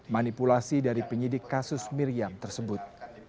manipulasi dari penyidik kasus miriam tersebut